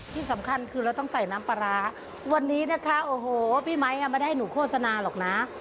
ที่สำคัญคือเราต้องใส่น้ำปลาร้าวันนี้นะคะโอ้โหพี่ไมค์ไม่ได้ให้หนูโฆษณาหรอกนะ